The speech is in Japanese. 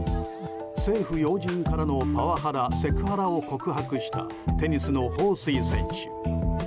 政府要人からのパワハラ・セクハラを告白したテニスのホウ・スイ選手。